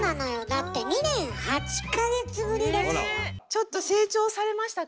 だってちょっと成長されましたか？